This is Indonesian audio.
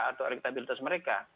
atau elektabilitas mereka